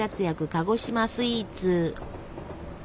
鹿児島スイーツ！